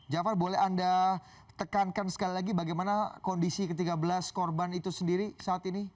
jafar boleh anda tekankan sekali lagi bagaimana kondisi ke tiga belas korban itu sendiri saat ini